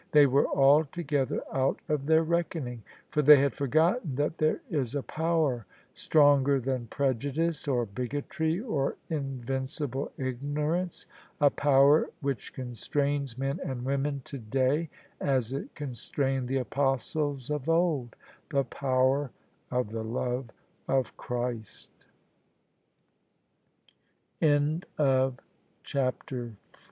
They were alto gether out of their reckoning. For they had forgotten that there is a power stronger than prejudice or bigotry or in vincible ignorance — a power which constrains men and women today, as it constrained the Apostles of old — ^the power